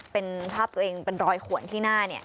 เป็นภาพตัวเองเป็นรอยขวนที่หน้า